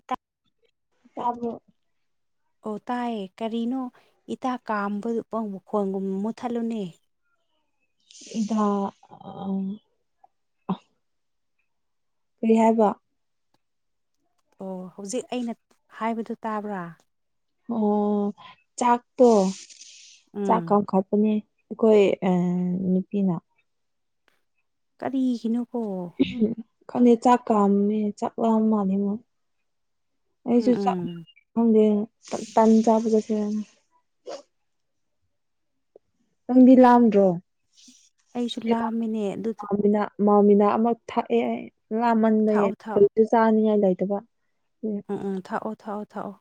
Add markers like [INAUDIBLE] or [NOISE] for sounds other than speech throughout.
ꯏꯇꯥ ꯇꯥꯕꯔꯣ ꯑꯣ ꯇꯥꯏꯌꯦ ꯀꯔꯤꯅꯣ ꯏꯇꯥꯥ ꯀꯥꯝꯕꯗꯨ ꯑꯣ ꯃꯈꯣꯟꯗꯨ ꯃꯨꯠꯊꯠꯂꯨꯅꯦ ꯏꯇꯥ ꯑꯝ ꯀꯔꯤ ꯍꯥꯏꯕ ꯑꯣ ꯍꯧꯖꯤꯛ ꯑꯩꯅ ꯍꯥꯏꯕꯗꯨ ꯇꯥꯕ꯭ꯔꯥ ꯑꯣ ꯆꯥꯛꯇꯣ ꯆꯥꯛ ꯎꯝ ꯀꯥꯝꯈꯠꯄꯅꯦ ꯑꯩꯈꯣꯏ ꯑ ꯅꯨꯄꯤꯅ ꯀꯔꯤꯒꯤꯅꯣꯀꯣ ꯎꯍꯨꯝ ꯈꯪꯗꯦ ꯆꯥꯛ ꯀꯥꯝꯃꯦ ꯆꯥꯛ ꯂꯥꯝꯃꯥꯜꯂꯦ ꯃꯥ ꯎꯝ ꯑꯩꯖꯨ ꯆꯥꯛ ꯎꯝ ꯈꯪꯗꯦ ꯇꯟ ꯆꯥꯕ ꯆꯠꯁꯤꯔꯅ ꯅꯪꯗꯤ ꯂꯥꯝꯗ꯭ꯔꯣ ꯑꯩꯁꯨ ꯂꯥꯝꯃꯤꯅꯦ ꯑꯗꯨꯗ ꯂꯥꯝꯃꯤꯅ ꯃꯥꯎꯃꯤꯅꯥ ꯑꯃ ꯊꯛꯑꯦ ꯑꯩ ꯂꯥꯝꯃꯟꯕꯒꯤ ꯊꯥꯛꯑꯣ ꯊꯥꯛꯑꯣ ꯀꯔꯤꯁꯨ ꯆꯥꯅꯤꯡꯉꯥꯏ ꯂꯩꯇꯕ ꯎꯝ ꯎꯝ ꯊꯛꯑꯣ ꯊꯛꯑꯣ ꯊꯛꯑꯣ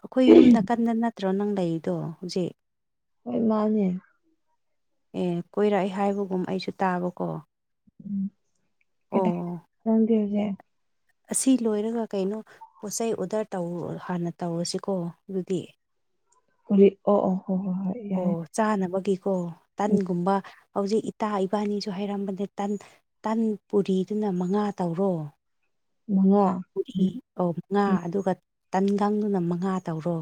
ꯑꯩꯈꯣꯏ ꯌꯨꯝꯗ ꯀꯟꯅ ꯅꯠꯇ꯭ꯔꯣ ꯅꯪ ꯂꯩꯔꯤꯗꯣ ꯍꯧꯖꯤꯛ ꯍꯣꯏ ꯃꯥꯅꯦ ꯑꯦ ꯀꯣꯏꯔꯛꯑꯦ ꯍꯥꯏꯕꯒꯨꯝ ꯑꯩꯁꯨ ꯇꯥꯕꯀꯣ ꯎꯝ ꯀꯩꯗꯧ ꯑꯣ ꯅꯪꯗꯤ ꯍꯧꯖꯤꯛ ꯑꯁꯤ ꯂꯣꯏꯔꯒ ꯀꯩꯅꯣ ꯄꯣꯠ ꯆꯩ ꯑꯣꯗꯔ ꯇꯧ ꯍꯥꯟꯅ ꯇꯧꯔꯁꯤꯀꯣ ꯑꯗꯨꯗꯤ ꯑꯣ ꯑꯣ ꯍꫭꯏ ꯍꫭꯏ ꯌꯥꯏꯌꯦ ꯑꯣ ꯆꯥꯅꯕꯒꯤꯀꯣ ꯇꯟꯒꯨꯝꯕ ꯍꯧꯖꯤꯛ ꯏꯇꯥ ꯏꯕꯥꯅꯤꯁꯨ ꯍꯥꯏꯔꯝꯕꯅꯦ ꯇꯟ ꯄꯨꯔꯤꯗꯨꯅ ꯃꯉꯥ ꯇꯧꯔꯣ ꯃꯉꯥ ꯄꯨꯔꯤ ꯎꯝ ꯑꯧ ꯃꯉꯥ ꯎꯝ ꯑꯗꯨꯒ ꯇꯟꯒꯪꯗꯨꯅ ꯃꯉꯥ ꯇꯧꯔꯣ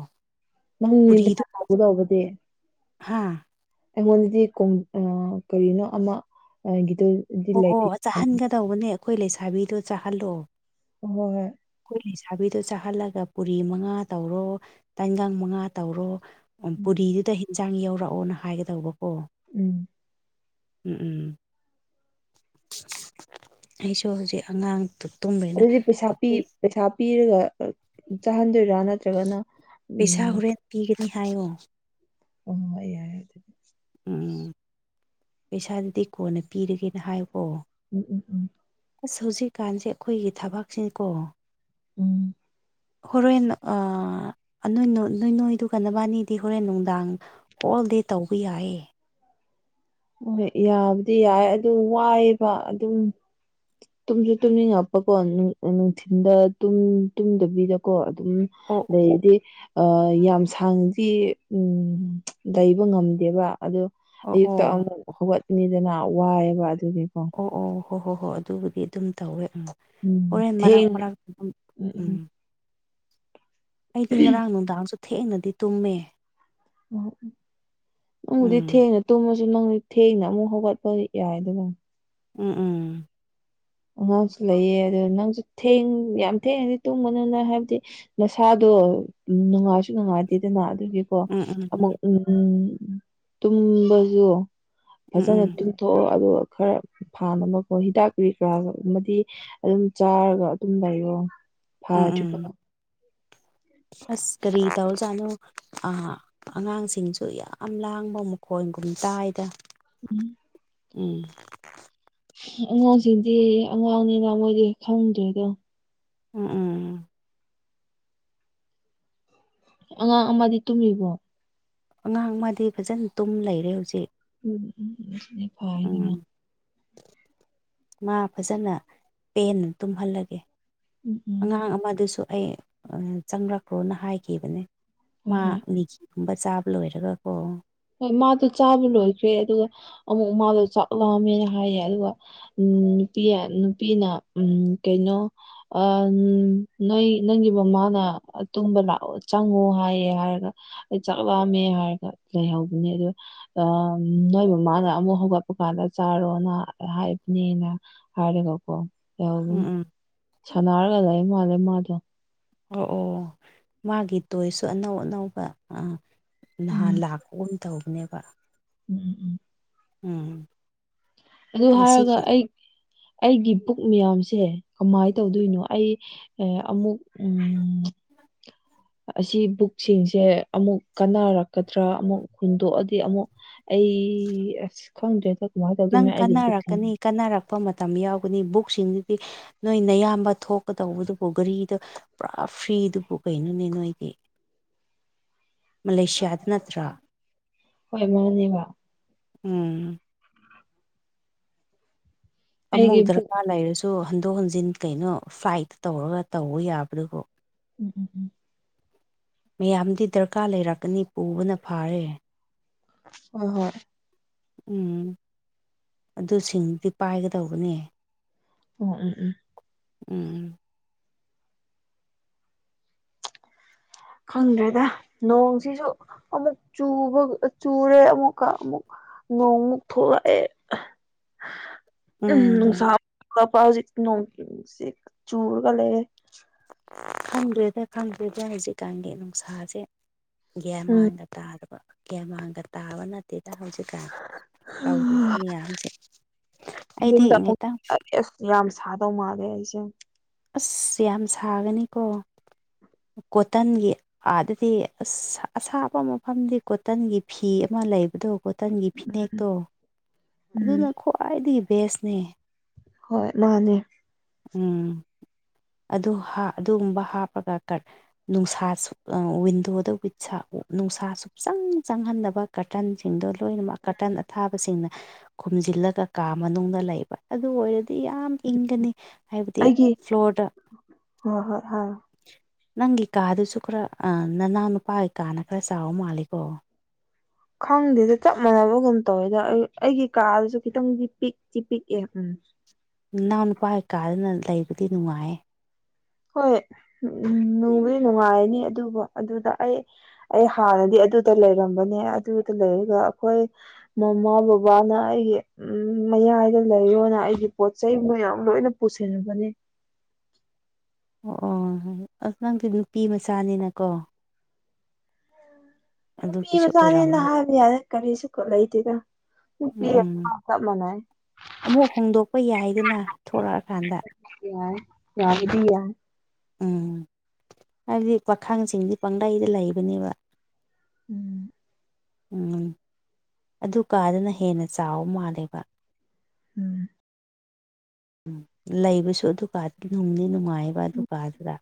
ꯇꯧꯕꯥꯗꯤ [UNINTELLIGIBLE] ꯍꯥꯥ ꯑꯩꯉꯣꯟꯗꯗꯤ ꯀꯣꯡ ꯑ ꯀꯔꯤꯅꯣ ꯑꯃ ꯑꯒꯤꯗꯣ ꯑꯣꯍꯣ ꯆꯥꯍꯟꯒꯗꯧꯕꯅꯦ ꯑꯩꯈꯣꯏ ꯂꯩꯁꯥꯕꯤꯗꯣ ꯆꯥꯍꯜꯂꯣ ꯑꯣ ꯍꯣꯏ ꯍꯣꯏ ꯑꯩꯈꯣꯏ ꯂꯩꯁꯥꯥꯕꯤꯗꯣ ꯆꯥꯍꯜꯂꯒ ꯄꯨꯔꯤ ꯃꯉꯥ ꯇꯧꯔꯣ ꯇꯟꯒꯪ ꯃꯉꯥ ꯇꯧꯔꯣ ꯑꯣ ꯄꯨꯔꯤꯗꯨꯗ ꯍꯦꯟꯖꯥꯡ ꯌꯥꯎꯔꯛꯑꯣꯅ ꯍꯥꯏꯒꯗꯧꯕꯀꯣ ꯎꯝ ꯎꯝ ꯎꯝ ꯑꯩꯁꯨ ꯍꯧꯖꯤꯛ ꯑꯉꯥꯡꯗꯨ ꯇꯨꯝꯒꯔ꯭ꯦꯅ ꯑꯗꯨꯗꯤ ꯄꯩꯁꯥ ꯄꯤ ꯄꯩꯁꯥ ꯄꯤꯔꯒ ꯆꯥꯍꯟꯗꯣꯏꯔꯥ ꯅꯠ ꯄꯩꯁꯥ ꯍꯣꯔꯦꯟ ꯄꯤꯒꯅꯤ ꯍꯥꯏꯌꯨ ꯑꫭ ꯍꯣꯏ ꯌꯥꯔꯦ ꯑꯗꯨꯗꯤ ꯎꯝ ꯄꯩꯁꯥꯗꯨꯗꯤ ꯀꯣꯟꯅ ꯄꯤꯔꯒꯦꯅ ꯍꯥꯏꯌꯨꯀꯣ ꯎꯝ ꯎꯝ ꯎꯝ ꯑꯁ ꯍꯧꯖꯤꯛꯀꯥꯟꯁꯦ ꯑꯩꯈꯣꯏꯒꯤ ꯊꯕꯛꯁꯤꯅꯤꯀꯣ ꯎꯝ ꯍꯣꯔꯦꯟꯣꯏ ꯅꯣꯏ ꯅꯣꯏꯗꯨ ꯀꯟꯅꯕꯥꯅꯤꯗꯤ ꯍꯣꯔꯦꯟ ꯅꯨꯡꯗꯥꯡ ꯍꯣꯜꯗꯤꯦ ꯇꯧꯕ ꯌꯥꯏꯌꯦ ꯍꯣꯏ ꯌꯥꯕꯨꯗꯤ ꯌꯥꯏ ꯑꯗꯨ ꯋꯥꯏꯑꯕ ꯑꯗꯨꯝ ꯇꯨꯝꯁꯨ ꯇꯨꯝꯅꯤꯡꯉꯛꯄꯀꯣ ꯅꯨꯡꯊꯤꯟꯗ ꯇꯨꯝꯗꯕꯤꯗꯀꯣ ꯑꯗꯨꯝ ꯑꯣ ꯂꯩꯗꯤ ꯌꯥꯝ ꯁꯥꯡꯗꯤ ꯂꯩꯕ ꯉꯝꯗꯦꯕ ꯑꯗꯣ ꯑꯣ ꯍꯦꯛꯇ ꯑꯣ ꯑꯃꯨꯛ ꯍꯧꯒꯠꯅꯤꯗꯅ ꯋꯥꯏꯑꯦꯕ ꯑꯗꯨꯒꯤꯀꯣ ꯑꯣ ꯑꯣ ꯍꯣꯏ ꯍꯣꯏ ꯍꯣꯏ ꯑꯗꯨꯕꯨꯗꯤ ꯑꯗꯨꯝ ꯇꯧꯋꯦ ꯑꯃꯨꯛ ꯎꯝ ꯍꯣꯔꯣꯏ ꯃꯔꯥꯛ ꯊꯦꯡ ꯃꯔꯥꯛ ꯎꯝ ꯑꯩꯗꯤ ꯉꯔꯥꯡ ꯅꯨꯡꯗꯥꯡꯁꯨ ꯊꯦꯡꯅꯗꯤ ꯇꯨꯝꯃꯦ ꯑꯣ ꯅꯪꯕꯨꯗꯤ ꯎꯝ ꯊꯦꯡꯅ ꯇꯨꯝꯃꯁꯨ ꯅꯪ ꯊꯦꯡꯅ ꯑꯃꯨꯛ ꯍꯧꯒꯠꯄ ꯌꯥꯏꯗꯅ ꯎꯝ ꯎꯝ ꯑꯉꯥꯡꯁꯨ ꯂꯩꯑ ꯑꯗꯨ ꯅꯪꯁꯨ ꯊꯦꯡ ꯌꯥꯝ ꯊꯦꯡꯉꯗꯤ ꯇꯨꯝꯕꯅꯤꯅ ꯍꯥꯏꯕꯗꯤ ꯅꯁꯥꯗꯣ ꯅꯨꯡꯉꯥꯏꯁꯨ ꯅꯨꯡꯉꯥꯏꯗꯦꯗꯅ ꯑꯗꯨꯒꯤ ꯎꯝ ꯎꯝ ꯎꯝ ꯑꯃꯨꯛ ꯎꯝ ꯎ ꯇꯨꯝꯕꯁꯨ ꯐꯖꯅ ꯎꯝ ꯊꯣꯛꯑꯣ ꯑꯗꯨꯒ ꯈꯔ ꯐꯥꯅꯕꯣ ꯍꯤꯗꯥꯛ ꯄꯤ ꯒ ꯑꯃꯗꯤ ꯑꯗꯨꯝ ꯆꯥꯔꯒ ꯑꯗꯨꯝ ꯂꯩꯔꯣ ꯎꯝ ꯎꯝ ꯎꯝ ꯐꯥꯗ꯭ꯔꯤꯕ ꯑꯁ ꯀꯔꯤ ꯇꯧ ꯆꯥꯅꯣ ꯑ ꯑꯉꯥꯡꯁꯤꯡꯁꯨ ꯌꯥꯝ ꯂꯥꯡꯕ ꯃꯈꯣꯟꯒꯨꯝ ꯇꯥꯏꯗ ꯎꯝ ꯎꯝ ꯑꯉꯥꯡꯁꯤꯡꯗꯤ ꯑꯉꯥꯡꯅꯤꯅ ꯃꯣꯏꯗꯤ ꯈꯪꯗ꯭ꯔꯦꯗꯣ ꯎꯝ ꯎꯝ ꯑꯉꯥꯡ ꯑꯃꯗꯤ ꯇꯨꯝꯃꯤꯕꯣ ꯑꯉꯥꯡ ꯃꯥꯗꯤ ꯐꯖꯅ ꯇꯨꯝ ꯂꯩꯔꯦ ꯍꯧꯖꯤꯛ ꯎꯝ ꯎꯝ ꯁꯤꯅꯦ ꯐꯗꯅ ꯎꯝ ꯃꯥ ꯐꯖꯅ ꯄꯦ ꯇꯨꯝꯍꯜꯂꯒꯦ ꯎꯝ ꯎꯝ ꯑꯉꯥꯡ ꯑꯃꯗꯨꯁꯨ ꯑꯩ ꯆꯪꯂꯛꯄ꯭ꯔꯣꯅ ꯍꯥꯏꯈꯤꯕꯅꯦ ꯍꯣꯏ ꯃꯥ ꯍꯣꯏ ꯃꯤꯦꯒꯤꯒꯨꯝꯕ ꯆꯥꯕ ꯂꯣꯏꯔꯒꯀꯣ ꯍꯣꯏ ꯃꯥꯗꯣ ꯆꯥꯕ ꯂꯣꯏꯈ꯭ꯔꯦ ꯑꯗꯨꯒ ꯑꯃꯨꯛ ꯃꯥꯗꯣ ꯆꯥꯛꯂꯝꯑꯃꯦꯅ ꯍꯥꯏꯌꯦ ꯑꯗꯨꯒ ꯎꯝ ꯅꯨꯄꯤ ꯅꯨꯄꯤꯅ ꯎꯝ ꯀꯩꯅꯣ ꯑꯝ ꯅꯣꯏ ꯅꯪꯒꯤ ꯃꯃꯥꯅ ꯇꯨꯝꯕ ꯂꯥꯛꯑꯣ ꯆꯪꯉꯣ ꯍꯥꯏꯌꯦ ꯍꯥꯏꯔꯒ ꯑꯩ ꯆꯥꯛꯂꯝꯑꯝꯃꯦ ꯍꯥꯏꯔꯒ ꯂꯩꯍꯧꯕꯅꯦ ꯑꯗꯣ ꯑ ꯅꯣꯏ ꯃꯃꯥꯅ ꯑꯃꯨꯛ ꯍꯧꯒꯠꯄꯀꯥꯟꯗ ꯆꯥꯔꯣꯅ ꯍꯥꯏꯕꯅꯦꯅ ꯍꯥꯏꯔꯦꯒꯀꯣ ꯌꯥꯎꯅꯤ ꯎꯝ ꯎꯝ ꯁꯥꯟꯅꯔꯒ ꯂꯩ ꯃꯥꯜꯂꯦ ꯃꯥꯗꯣ ꯑꯣ ꯑꯣ ꯃꯥꯒꯤ ꯇꯣꯏꯁꯨ ꯑꯅꯧ ꯑꯅꯧꯕ ꯅꯍꯥꯟ ꯎꯝ ꯂꯥꯛꯄꯒꯨꯝ ꯇꯧꯕꯅꯦꯕ ꯎꯝ ꯎꯝ ꯎꯝ ꯑꯗꯨ ꯍꯥꯏꯔꯒ ꯉꯁꯤꯒꯤ ꯑꯩ ꯑꯩꯒꯤ ꯄꯨꯛ ꯃꯌꯥꯝꯁꯦ ꯀꯃꯥꯏꯅ ꯇꯧꯗꯣꯏꯅꯣ ꯑꯩ ꯑꯃꯨꯛ ꯑꯁꯤ ꯕꯨꯛꯁꯤꯡꯁꯦ ꯑꯃꯨꯛ ꯀꯥꯟꯅꯔꯛꯀꯗ꯭ꯔꯥ ꯑꯃꯨꯛ ꯍꯨꯟꯗꯣꯛꯑꯗꯤ ꯑꯃꯨꯛ ꯑꯩ ꯑꯁ ꯈꯪꯗ꯭ꯔꯦꯗ ꯀꯃꯥꯏꯅ ꯇꯧꯗꯣꯏꯅꯣ ꯑꯩꯗ ꯊ ꯀꯟꯅꯔꯛꯄ ꯃꯇꯝ ꯌꯥꯎꯒꯅꯤ ꯕꯨꯛꯁꯤꯡꯗꯨꯗꯤ ꯅꯣꯏꯅꯌꯥꯝꯕ ꯊꯣꯛꯀꯗꯧꯕꯗꯨꯕꯨ ꯒꯥꯔꯤꯗ ꯄꯨꯔꯥ ꯐ꯭ꯔꯤꯗꯨꯕꯨ ꯀꯩꯅꯣꯅꯦ ꯅꯣꯏꯗꯤ ꯃꯥꯂꯦꯁꯤꯌꯥꯗ ꯅꯠꯇ꯭ꯔꯥ ꯍꯣꯏ ꯃꯥꯅꯦꯕ ꯎꯝ ꯑꯃꯨꯛ ꯑꯩꯒꯤ ꯕꯨꯛ ꯗꯔꯀꯥꯔ ꯂꯩꯔꯁꯨ ꯍꯟꯗꯣꯛ ꯍꯟꯖꯤꯟ ꯀꯩꯅꯣ ꯐ꯭ꯂꯥꯏꯠ ꯇꯧꯔꯒ ꯇꯧꯕ ꯌꯥꯕꯗꯨꯕꯨꯣ ꯎꯝ ꯎꯝ ꯎꯝ ꯃꯌꯥꯝꯗꯤ ꯗꯔꯀꯥꯔ ꯂꯩꯔꯛꯀꯅꯤ ꯄꯨꯕꯅ ꯐꯥꯔꯦ ꯑꯣ ꯍꯣꯏ ꯎꯝ ꯑꯗꯨꯁꯤꯡꯗꯨꯗꯤ ꯄꯥꯏꯒꯗꯧꯕꯅꯦ ꯑꯣ ꯎꯝ ꯎꯝ ꯎꯝ ꯈꯪꯗ꯭ꯔꯦꯗ ꯅꯣꯡꯁꯤꯁꯨ ꯑꯃꯨꯛ ꯆꯨꯕ ꯆꯨꯔꯦ ꯑꯃꯨꯛꯀ ꯑꯃꯨꯛ ꯅꯣꯡꯃꯨꯛ ꯊꯂꯛꯑꯦ [UNINTELLIGIBLE] ꯎꯝ ꯏꯁꯥꯖꯤꯣꯡ ꯆꯨꯔꯒ ꯂꯩꯦ ꯈꯪꯗ꯭ꯔꯦꯗ ꯈꯪꯗ꯭ꯔꯦꯗ ꯍꯧꯖꯤꯛꯀꯥꯟꯒꯤ ꯅꯨꯡꯁꯥꯁꯦ ꯒ꯭ꯌꯥꯟ ꯎꯝ ꯃꯥꯡꯗ ꯇꯥꯗꯕ ꯒꯦꯃꯥꯡꯒ ꯇꯥꯕ ꯅꯠꯇꯦꯗ ꯍꯧꯖꯤꯛꯀꯥꯟ ꯇꯧꯔꯤ ꯃꯤꯌꯥꯝꯁꯦ ꯑꯩꯗꯤ ꯌꯨꯝꯗ ꯑꯃꯨꯛ ꯉꯇ ꯑꯁ ꯌꯥꯝ ꯁꯥꯗꯧ ꯃꯥꯜꯂꯦ ꯑꯩꯁꯦ ꯑꯁ ꯌꯥꯝ ꯁꯥꯒꯅꯤꯀꯣ ꯀꯣꯇꯟꯒꯤ ꯑꯗꯨꯗꯤ ꯑꯁ ꯑꯁꯥꯕ ꯃꯐꯝꯗꯤ ꯀꯣꯇꯟꯒꯤ ꯐꯤ ꯑꯃ ꯂꯩꯕꯗꯣ ꯀꯇꯟꯒꯤ ꯐꯤꯅꯦꯛꯇꯣ ꯎꯝ ꯑꯗꯨꯅ ꯈ꯭ꯋꯥꯏꯗꯒꯤ ꯕꯦꯁꯅꯦ ꯍꯣꯏ ꯃꯥꯅꯦ ꯎꯝ ꯑꯗꯨ ꯑꯗꯨꯒꯨꯝꯕ ꯍꯥꯞꯄꯒ ꯀ ꯅꯨꯡꯁꯥꯁꯨ ꯋꯤꯟꯗꯣꯗ ꯋ ꯅꯨꯡꯁꯥ ꯁꯨꯞꯆꯪ ꯆꯪꯍꯟꯅꯕ ꯀꯔꯇꯟ ꯁꯤꯡꯗꯣ ꯂꯣꯏꯅꯃꯛ ꯀꯥꯔꯇꯟ ꯑꯊꯥꯕꯁꯤꯡꯅ ꯈꯨꯝꯖꯤꯜꯂꯒ ꯀꯥ ꯃꯅꯨꯡꯗ ꯂꯩꯕ ꯑꯗꯨ ꯑꯣꯏꯔꯗꯤ ꯌꯥꯝ ꯏꯪꯒꯅꯤ ꯍꯥꯏꯕꯗꯤ ꯑꯩꯒꯤ ꯐ꯭ꯂꯣꯔꯗ ꯍꯣꯏ ꯍꯣꯏ ꯍꯣꯏ ꯅꯪꯒꯤ ꯀꯥꯗꯨꯁꯨ ꯈꯔ ꯅꯅꯥꯎ ꯅꯨꯄꯥꯒꯤ ꯀꯥꯅ ꯈꯔ ꯆꯥꯎꯕ ꯃꯥꯜꯂꯤꯀꯣ ꯈꯪꯗꯦꯗ ꯆꯞ ꯃꯥꯟꯅꯕꯒꯨꯝ ꯇꯧꯋꯦꯗ ꯑꯩꯒꯤ ꯀꯥꯗꯁꯨ ꯈꯤꯇꯪꯗꯤ ꯄꯤꯛꯇ ꯄꯤꯛꯑꯦ ꯎꯝ ꯅꯅꯥꯎ ꯅꯨꯄꯥꯒꯤꯩ ꯀꯥꯗꯅ ꯂꯩꯕꯗꯤ ꯅꯨꯡꯉꯥꯏꯌꯦ ꯍꯣꯏ ꯎꯝ ꯎꯝ ꯅꯨꯡꯕꯨꯗꯤ ꯅꯨꯡꯉꯥꯏꯅꯤ ꯑꯗꯨꯕꯨ ꯑꯗꯨꯗ ꯑꯩ ꯑꯩ ꯍꯥꯟꯅꯗꯤ ꯑꯗꯨꯗ ꯂꯩꯔꯝꯕꯅꯦ ꯑꯗꯨꯗ ꯂꯩꯔꯒ ꯑꯩꯈꯣꯏ ꯃꯃꯥ ꯕꯕꯥꯅ ꯑꯩꯒꯤ ꯎꯝ ꯃꯌꯥꯏꯗ ꯂꯩꯔꯣꯅ ꯑꯩꯒꯤ ꯄꯣꯠ ꯆꯩ ꯃꯌꯥꯝ ꯂꯣꯏꯅ ꯄꯨꯁꯤꯟꯕꯅꯦ ꯑꯣ ꯑꯣ ꯅꯪꯗꯤ ꯅꯨꯄꯤ ꯃꯆꯥꯅꯤꯅꯀꯣ ꯅꯨꯄꯤ ꯑꯗꯨꯒꯤꯁꯨ ꯃꯆꯥꯅꯦꯅ ꯑꯣꯏꯔꯝꯒꯅꯤ ꯍꯥꯏꯕ ꯌꯥꯔꯦ ꯀꯔꯤꯁꯨ ꯂꯩꯗꯦꯗ ꯎꯝ ꯎꯝ ꯎꯝ ꯑꯃꯨꯛ ꯍꯣꯡꯗꯣꯛꯄ ꯌꯥꯏꯗꯅ ꯊꯣꯛꯂꯛꯑ ꯀꯥꯟꯗ ꯌꯥ ꯌꯥꯕꯗꯤ ꯌꯥꯏ ꯎꯝ ꯍꯥꯏꯕꯗꯤ ꯄꯥꯈꯥꯡꯁꯤꯡꯗꯤ ꯄꯪꯒꯩꯗ ꯂꯩꯕꯅꯦꯕ ꯎꯝ ꯎꯝ ꯑꯗꯨ ꯀꯥꯗꯅ ꯍꯦꯟꯅ ꯆꯥꯎꯕ ꯃꯥꯜꯂꯦꯕ ꯎꯝ ꯎꯝ ꯂꯩꯕꯁꯨ ꯑꯗꯨꯀꯥꯗꯨ ꯝꯗꯤ ꯅꯨꯡꯉꯥꯏꯑꯕ ꯎꯝ ꯗꯨꯀꯥꯗꯨꯗ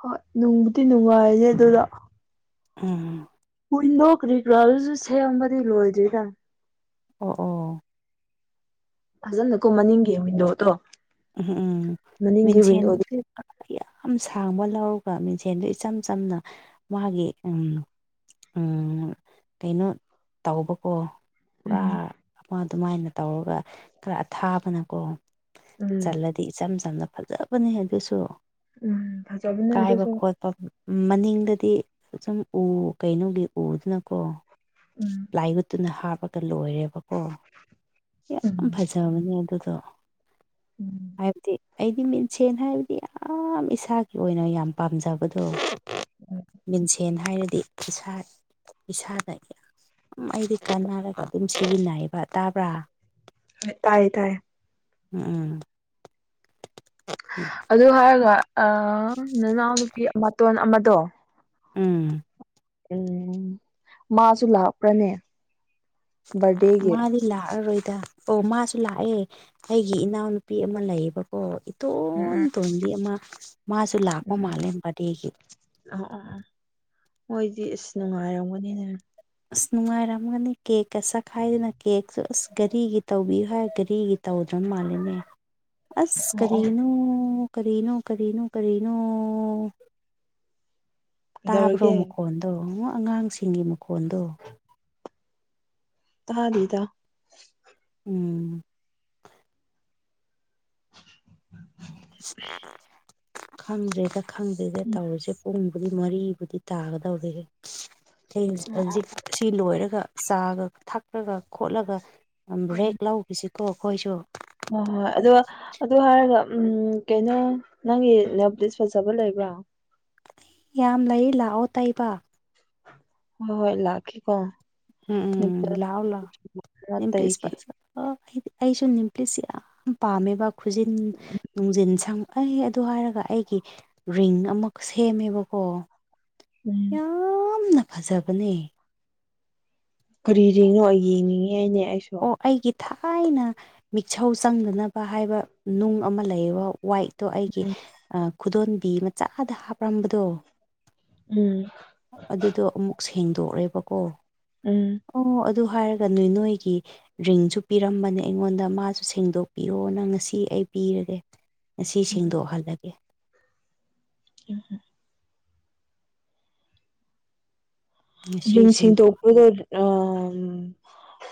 ꯍꯣꯏ ꯅꯨꯡꯕꯨꯗꯤ ꯅꯨꯡꯉꯥꯏꯔꯁꯦ ꯑꯗꯨꯗ ꯎꯝ ꯋꯤꯟꯗꯣ ꯀ꯭ꯔꯤꯒ꯭ꯔꯥꯜꯁꯨ ꯁꯦꯝꯕꯗꯤ ꯂꯣꯏꯗ꯭ꯣꯏꯗꯥ ꯑꯣ ꯑꯣ ꯐꯖꯅ ꯀꯨꯝꯍꯟꯅꯤꯡꯒꯤꯦ ꯃꯤꯗꯣꯗꯣ ꯎꯝ ꯎꯝ ꯃꯤꯡꯁꯦꯜꯁꯨ ꯌꯥꯝ ꯁꯥꯡꯕ ꯂꯧꯔꯒ ꯃꯤꯡꯁꯦꯟꯗꯨ ꯏꯆꯝ ꯆꯝꯅ ꯃꯥꯒꯤ ꯎꯝ ꯎꯝ ꯀꯩꯅꯣ ꯇꯧꯕꯀꯣ ꯄꯨꯔꯥ ꯎꯝ ꯑꯗꯨꯃꯥꯏꯅ ꯇꯧꯔꯒ ꯈꯔ ꯑꯊꯥꯕꯅꯀꯣ ꯎꯝ ꯆꯜꯂꯗꯤ ꯏꯆꯝ ꯆꯝꯅ ꯐꯖꯕꯅꯤ ꯑꯗꯨꯁꯨ ꯎꯝ ꯐꯖꯕꯅꯦ ꯀꯥꯏꯕ ꯑꯗꯨꯁꯨ ꯈꯣꯠ ꯃꯅꯤꯡꯗꯗꯤ ꯑꯗꯨꯝ ꯎ ꯀꯩꯅꯣꯒꯤ ꯎꯗꯨꯅꯀꯣ ꯎꯝ ꯄꯂꯥꯏ ꯎꯠꯇꯨꯅ ꯍꯥꯞꯄꯒ ꯂꯣꯏꯔꯦꯕꯣ ꯑꯣ ꯌꯥꯝ ꯎꯝ ꯐꯖꯕꯅꯦ ꯑꯗꯨꯗꯣ ꯎꯝ ꯍꯥꯏꯕꯗꯤ ꯑꯩꯗꯤ ꯃꯤꯡꯁꯦꯟ ꯍꯥꯏꯕꯗꯤ ꯌꯥꯝ ꯏꯁꯥꯒꯤ ꯑꯣꯏꯅ ꯌꯥꯝ ꯄꯥꯝꯖꯕꯗꯣ ꯃꯤꯡꯁꯦꯟ ꯍꯥꯏꯔꯗꯤ ꯏꯁꯥ ꯏꯁꯥꯗ ꯌꯥꯝ ꯑꯗꯨꯝ ꯑꯩꯗꯤ ꯀꯥꯟꯅꯔꯒ ꯑꯗꯨꯝ ꯁꯤꯖꯤꯟꯅꯩꯕ ꯇꯥꯕ꯭ꯔꯥ ꯍꯣꯏ ꯇꯥꯏꯌꯦ ꯇꯥꯏꯌꯦ ꯎꯝ ꯎꯝ ꯎꯝ ꯑꯗꯨ ꯍꯥꯏꯔꯒ ꯑꯥ ꯅꯅꯥꯎ ꯅꯨꯄꯤ ꯃꯇꯣꯟ ꯑꯃꯗꯣ ꯎꯝ ꯎꯝ ꯃꯥꯁꯨ ꯂꯥꯛꯄ꯭ꯔꯅꯦ ꯕꯥꯔꯗꯦꯒꯤ ꯃꯥꯗꯤ ꯂꯥꯛꯑꯔꯣꯏꯗ ꯑꯣ ꯃꯥꯁꯨ ꯂꯥꯛꯑꯦ ꯑꯩꯒꯤ ꯏꯅꯥꯎꯅꯨꯄꯤ ꯑꯃ ꯂꯩꯌꯦꯕꯀꯣ ꯎꯝ ꯏꯇꯣꯟ ꯎꯝ ꯇꯣꯟꯕꯤ ꯑꯃ ꯃꯥꯁꯨ ꯂꯥꯛꯄ ꯎꯝ ꯎꯝ ꯃꯥꯜꯂꯦ ꯕꯥꯔꯠꯗꯦꯒꯤ ꯑꯣ ꯑꯣ ꯃꯣꯏꯗꯤ ꯑꯁ ꯅꯨꯡꯉꯥꯏꯔꯝꯒꯅꯤꯅꯦ ꯑꯁ ꯅꯨꯡꯉꯥꯏꯔꯝꯒꯅꯤ ꯀꯦꯛꯀ ꯆꯥꯈꯥꯏꯗꯅ ꯀꯦꯛꯁꯨ ꯑꯁ ꯘꯔꯤꯒꯤ ꯇꯧꯕꯤꯌꯨ ꯍꯥꯏ ꯘꯔꯤꯒꯤ ꯇꯧꯗꯔ ꯃꯥꯜꯂꯦꯅꯦ ꯑꯁ ꯑꯣ ꯑꯣ ꯀꯔꯤꯅꯣ ꯀꯔꯤꯅꯣ ꯀꯔꯤꯅꯣ ꯀꯔꯤꯅꯣ ꯇꯥꯕ꯭ꯔꯣ ꯀꯩꯗꯧꯔꯒꯦ ꯃꯈꯣꯟꯗꯣ ꯑꯉꯥꯡꯁꯤꯡꯒꯤ ꯃꯈꯣꯟꯗꯣ ꯇꯥꯗꯦꯗ ꯎꯝ [UNINTELLIGIBLE] ꯈꯪꯗ꯭ꯔꯦꯗ ꯈꯪꯗ꯭ꯔꯦꯗ ꯇꯧꯔꯤꯁꯦ ꯄꯨꯡ ꯃꯔꯤꯕꯨꯗꯤ ꯇꯥꯒꯗꯧꯔꯦ ꯍꯧꯖꯤꯛ ꯁꯤ ꯂꯣꯏꯔꯒ ꯆꯥꯒ ꯊꯛꯂꯒ ꯈꯣꯠꯂꯒ ꯎꯝ ꯕ꯭ꯔꯦꯛ ꯂꯧ ꯍꯧꯖꯤꯁꯤꯀꯣ ꯑꯩꯈꯣꯏꯁꯨ ꯍꯣꯏ ꯍꯣꯏ ꯑꯗꯣ ꯑꯗꯨ ꯍꯥꯏꯔꯒ ꯎꯝ ꯀꯩꯅꯣ ꯅꯪꯒꯤ ꯅꯦꯞꯂꯤꯁ ꯐꯖꯕ ꯂꯩꯕ꯭ꯔꯥ ꯌꯥꯝ ꯂꯩ ꯂꯥꯛꯑꯣ ꯇꯩꯕ ꯍꯣꯏ ꯍꯣꯏ ꯂꯥꯛꯀꯦꯀꯣ ꯎꯝ ꯅꯦꯜꯄꯣꯂꯤꯁ ꯂꯥꯑꯣ ꯂꯥꯎꯑꯣ ꯅꯦꯄꯨꯂꯤꯁ ꯇꯩꯒꯦ ꯐꯖꯕ ꯑꯩꯗꯤ ꯑꯩꯁꯨ ꯅꯦꯜꯄꯨꯂꯤꯁꯁꯦ ꯌꯥꯝ ꯄꯥꯝꯃꯦꯕ ꯈꯨꯖꯤꯟ ꯅꯨꯡꯖꯤꯟ ꯁꯪ ꯑꯩ ꯑꯗꯨ ꯍꯥꯏꯔꯒ ꯑꯩꯒꯤ ꯔꯤꯡ ꯑꯃꯈꯛ ꯁꯦꯝꯃꯦꯕꯀꯣ ꯎꯝ ꯌꯥꯝꯅ ꯐꯖꯕꯅꯦ ꯀꯔꯤ ꯔꯤꯅꯣ ꯑꯩ ꯌꯦꯡꯅꯤꯡꯉꯦꯅꯦ ꯑꯩꯁꯨ ꯑꯣ ꯑꯩꯒꯤ ꯊꯥꯏꯅ ꯃꯤꯁꯧ ꯆꯪꯗꯅꯕ ꯍꯥꯏꯕ ꯅꯨꯡ ꯑꯃ ꯂꯩꯌꯦꯕ ꯋꯥꯏꯠ ꯑꯗꯣ ꯑꯩꯒꯤ ꯈꯨꯗꯣꯟꯕꯤ ꯃꯆꯥꯗ ꯍꯥꯞꯔꯝꯕꯗꯣ ꯎꯝ ꯑꯗꯨꯗꯣ ꯑꯃꯨꯛ ꯁꯦꯡꯗꯣꯛꯑꯦꯕꯀꯣ ꯎꯝ ꯑꯣ ꯑꯗꯨ ꯍꯥꯏꯔꯒ ꯅꯣꯏ ꯅꯣꯏꯒꯤ ꯔꯤꯡꯁꯨ ꯄꯤꯔꯝꯕꯅꯦ ꯑꯩꯉꯣꯟꯗ ꯃꯥꯁꯨ ꯁꯦꯡꯗꯣꯛꯄꯤꯌꯣꯅ ꯉꯁꯤ ꯑꯩ ꯄꯤꯔꯒꯦ ꯉꯁꯤ ꯁꯦꯡꯗꯣꯛꯍꯜꯂꯒꯦ [UNINTELLIGIBLE] ꯉꯁꯤ ꯔꯤꯡ ꯁꯦꯡꯗꯣꯛ ꯁꯦꯡꯗꯣꯛꯄꯗꯣ ꯎꯝ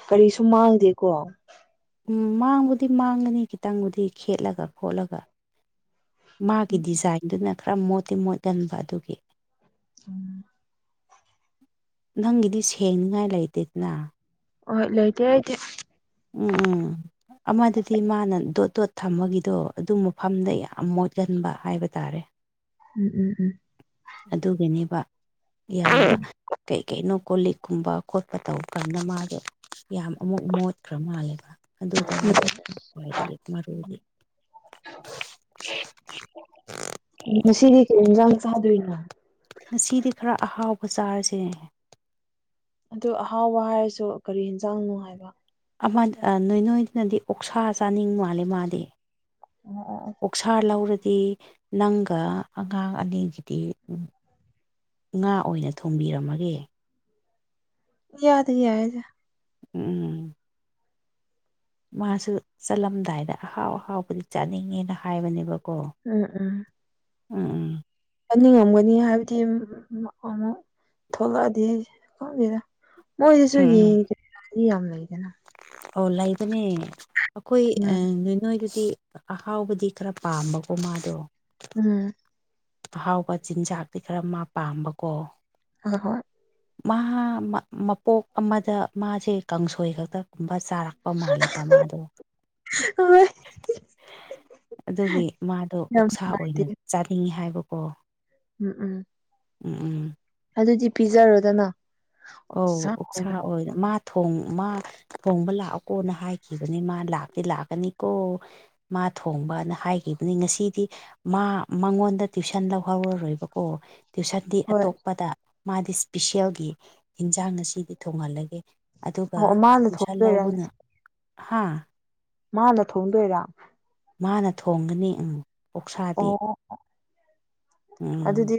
ꯀꯔꯤꯁꯨ ꯃꯥꯡꯗꯦꯀꯣ ꯎꯝ ꯃꯥꯡꯕꯗꯤ ꯃꯥꯡꯒꯅꯤ ꯈꯤꯇꯪꯕꯨꯗꯤ ꯈꯦꯠꯂꯒ ꯈꯣꯠꯂꯒ ꯃꯥꯒꯤ ꯗꯤꯖꯥꯏꯟꯗꯨꯅ ꯈꯔ ꯃꯣꯠꯇꯤ ꯃꯣꯠꯍꯟꯕ ꯑꯗꯨꯒꯤ ꯎꯝ ꯅꯪꯒꯤꯗꯤ ꯁꯦꯡꯅꯤꯉꯥꯏ ꯂꯩꯇꯦꯗꯅ ꯑꯣꯏ ꯂꯣꯏꯇꯦ ꯑꯩꯗꯤ ꯎꯝ ꯎꯝ ꯑꯃꯗꯗꯤ ꯃꯥꯅ ꯗꯣꯠ ꯗꯣꯠ ꯊꯝꯃꯒꯤꯗꯣ ꯑꯗꯨ ꯃꯐꯝꯗ ꯌꯥꯝ ꯃꯣꯠꯍꯟꯕ ꯍꯥꯏꯕ ꯇꯥꯔꯦ ꯎꯝ ꯎꯝ ꯎꯝ ꯑꯗꯨꯒꯤꯅꯦꯕ ꯌꯥꯝꯅ ꯀꯩ ꯀꯩꯅꯣ ꯀꯣ ꯂꯤꯛꯀꯨꯝꯕ ꯈꯣꯠꯄ ꯇꯧꯕ ꯀꯥꯟꯗ ꯃꯥꯁꯣ ꯌꯥꯝ ꯑꯃꯨꯛ ꯃꯣꯠꯈ꯭ꯔ ꯃꯥꯜꯂꯦꯕ ꯑꯗꯨꯗꯅꯦꯕ ꯈ꯭ꯋꯥꯏꯗꯒꯤ ꯃꯔꯨꯗꯤ ꯃꯁꯤꯗꯤ ꯀꯩ ꯌꯦꯟꯁꯥꯡ ꯆꯥꯗꯣꯏꯅꯣ ꯉꯁꯤꯗꯤ ꯈꯔ ꯑꯍꯥꯎꯕ ꯆꯥꯔꯁꯦ ꯑꯗꯨ ꯑꯍꯥꯎꯕ ꯍꯥꯏꯔꯁꯨ ꯀꯔꯤ ꯌꯦꯟꯖꯥꯡꯅꯣ ꯍꯥꯏꯕ ꯅꯣꯏ ꯅꯣꯏꯗꯨꯅꯗꯤ ꯑꯣꯛꯁꯥ ꯆꯥꯅꯤꯡ ꯃꯥꯜꯂꯦ ꯃꯥꯗꯤ ꯑꯣ ꯑꯣꯛꯁꯥ ꯂꯧꯔꯗꯤ ꯅꯪꯒ ꯑꯉꯥꯡ ꯑꯅꯤꯁꯤꯗꯤ ꯉꯥ ꯑꯣꯏꯅ ꯊꯣꯡꯝꯕꯤꯔꯝꯃꯒꯦ ꯏꯌꯥꯗ ꯌꯥꯏꯗ ꯎꯝ ꯃꯥꯁꯨ ꯆꯠꯂꯝꯗꯥꯏꯗ ꯑꯍꯥꯎ ꯑꯍꯥꯎꯕꯗꯤ ꯆꯥꯅꯤꯡꯉꯦꯅ ꯍꯥꯏꯕꯅꯦꯕꯀꯣ ꯎꯝ ꯎꯝ ꯎꯝ ꯎꯝ ꯆꯟꯅꯤꯡꯉꯝꯒꯅꯤ ꯍꯥꯏꯕꯗꯤ ꯑꯃꯨꯛ ꯊꯣꯛꯂꯛꯑꯗꯤ ꯈꯪꯗꯦꯗ ꯃꯣꯏꯗꯁꯨ ꯌꯦꯡꯒꯦ ꯌꯥꯝ ꯂꯩꯗꯅ ꯑꯣ ꯂꯩꯕꯅꯦ ꯑꯩꯈꯣꯏ ꯎꯝ ꯅꯣꯏ ꯅꯣꯏꯗꯗꯤ ꯑꯍꯥꯎꯕꯗꯤ ꯈꯔ ꯄꯥꯝꯕꯀꯣ ꯃꯥꯗꯣ ꯎꯝ ꯆꯍꯥꯎꯕ ꯆꯤꯟꯖꯥꯛꯇꯤ ꯈꯔ ꯃꯥ ꯄꯥꯝꯕꯀꯣ ꯍ ꯍꯣꯏ ꯃꯍꯥ ꯃꯄꯣꯛ ꯑꯃꯗ ꯃꯥꯁꯦ ꯀꯥꯡꯁꯣꯏ ꯈꯛꯇꯒꯨꯝꯕ ꯆꯥꯔꯛ ꯄ ꯃꯥꯥꯂꯦꯕ ꯃꯥꯗꯣ ꯑꯣꯏ [INAUDIBLE] ꯑꯗꯨꯒꯤ ꯃꯥꯗꯣ ꯌꯥꯝ ꯑꯣꯛꯁꯥ ꯑꯣꯏꯅ ꯅꯨꯡꯉꯥꯏꯇꯦ ꯆꯥꯅꯤꯡꯉꯤ ꯍꯥꯏꯕꯀꯣ ꯎꯝ ꯎꯝ ꯎꯝ ꯎꯝ ꯑꯗꯨꯗꯤ ꯄꯤꯖꯔꯣꯗꯅ ꯑꯧ ꯑꯣꯛꯁꯥ ꯎꯛꯁꯥ ꯑꯣꯏꯅ ꯃꯥ ꯃꯥ ꯊꯣꯡꯕ ꯂꯥꯛꯑꯣꯅ ꯍꯥꯏꯈꯤꯕꯅꯤ ꯃꯥ ꯂꯥꯛꯇꯤ ꯂꯥꯛꯀꯅꯤꯀꯣ ꯃꯥ ꯊꯣꯡꯕꯅ ꯍꯥꯏꯈꯤꯕꯅꯤ ꯉꯁꯤꯗꯤ ꯃꯥ ꯃꯉꯣꯟꯗ ꯇ꯭ꯋꯨꯁꯟ ꯂꯧꯍꯧꯔꯔꯣꯏꯕꯀꯣ ꯇ꯭ꯋꯏꯁꯟꯗꯤ ꯍꯣꯏ ꯑꯇꯣꯞꯄꯗ ꯃꯥꯗꯤ ꯏꯁꯄꯤꯁꯦꯜꯒꯤ ꯑꯦꯟꯖꯥꯡ ꯑꯁꯤꯗꯤ ꯊꯣꯡꯍꯜꯂꯒꯦ ꯑꯗꯨꯒ ꯑꯣ ꯃꯥꯅ ꯇꯨꯏꯁꯟ ꯊꯣꯡꯗꯣꯏꯔꯥ ꯂꯧꯕꯅ ꯉꯁꯤ ꯍꯥꯥ ꯃꯥꯅ ꯊꯣꯡꯗꯣꯏꯔꯥ ꯃꯥꯅ ꯊꯣꯡꯒꯅꯤ ꯑꯃꯨꯛ ꯑꯣꯛꯁꯥꯕꯤ ꯑꯣ ꯑꯗꯨꯗꯤ